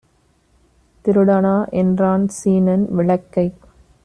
திருடனா என்றான் சீனன். விளக்கை